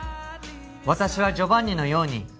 私はジョバンニのように